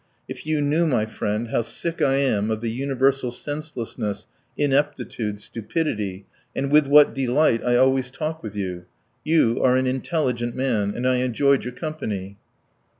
If you knew, my friend, how sick I am of the universal senselessness, ineptitude, stupidity, and with what delight I always talk with you! You are an intelligent man, and I enjoyed your company."